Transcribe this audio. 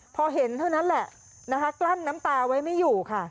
พอเห็นเท่านั้นแหละนะคะกลั้นน้ำตาไว้ไม่อยู่ค่ะ